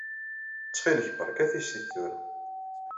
Ttxil-k, berka tissit tura.